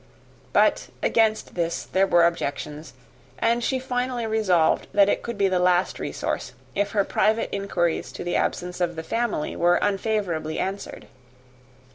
But against this there were objections; and she finally resolved that it could be the last resource, if her private inquiries as to the absence of the family were unfavourably answered.